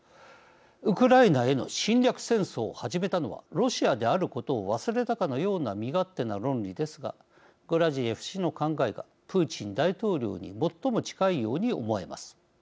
ウクライナへの侵略戦争を始めたのはロシアであることを忘れたかのような身勝手な論理ですがグラジエフ氏の考えがプーチン大統領に最も近いように思えます。